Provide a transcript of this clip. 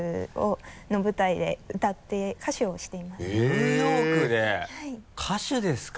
ニューヨークで歌手ですか？